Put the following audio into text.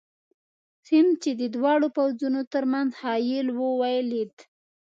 سیند، چې د دواړو پوځونو تر منځ حایل وو، ولید.